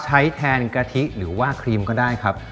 ใช้แทนกะทิเอกลักษณ์หรือว่าครีมก็ได้ครับ